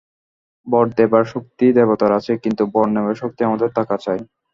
বর দেবার শক্তি দেবতার আছে, কিন্তু বর নেবার শক্তি আমাদের থাকা চাই।